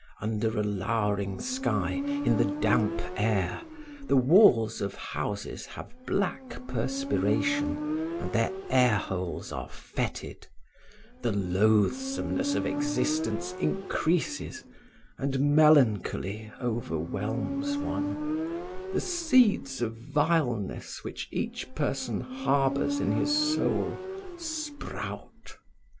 "Under a lowering sky, in the damp air, the walls of houses have black perspiration and their air holes are fetid; the loathsomeness of existence increases and melancholy overwhelms one; the seeds of vileness which each person harbors in his soul, sprout.